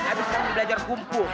abis kami belajar kumpul